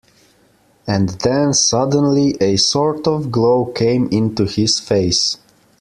And then suddenly a sort of glow came into his face.